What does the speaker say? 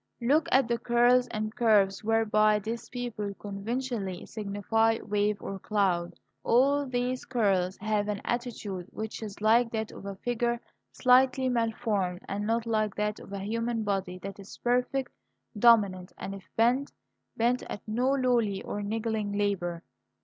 Look at the curls and curves whereby this people conventionally signify wave or cloud. All these curls have an attitude which is like that of a figure slightly malformed, and not like that of a human body that is perfect, dominant, and if bent, bent at no lowly or niggling labour.